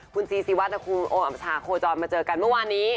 คุณซีซีวัดและคุณโออัพชาโคจรมาเจอกันเมื่อวานนี้